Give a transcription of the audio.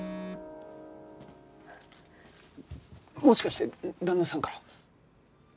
もしかして旦那さんから？